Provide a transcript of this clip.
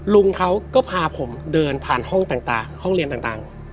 ลุงเขาก็พาผมเดินผ่านห้องต่างห้องเรียนต่าง